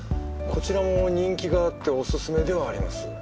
こちらも人気があってオススメではあります。